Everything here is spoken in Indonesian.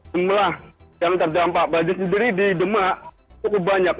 jumlah yang terdampak banjir sendiri di demak cukup banyak